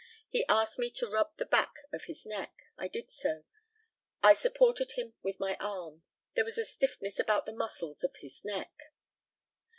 He asked me to rub the back of his neck. I did so. I supported him with my arm. There was a stiffness about the muscles of his neck.